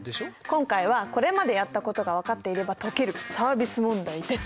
今回はこれまでやったことが分かっていれば解けるサービス問題です！